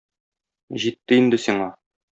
Җитте инде сиңа.